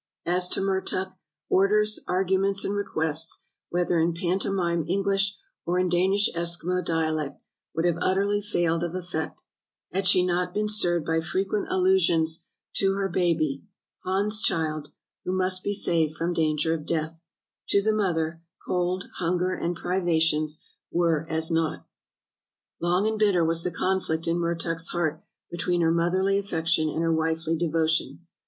" As to Mertuk, orders, arguments, and requests, whether in pantomime English or in Danish Eskimo dialect, would have utterly failed of effect, had she not been stirred by frequent allusions to her baby — Hans's child, who must be saved from danger of deatli. To the mother, cold, hunger, and privations were as naught. Long and bitter was the conflict in Mertuk's heart between her motherly affection and her wifely devotion.